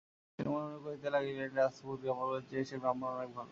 তিনি মনে মনে কহিতে লাগিলেন, এই রাজপুত গ্রাম্যগুলোর চেয়ে সে ব্রাহ্মণ অনেক ভালো।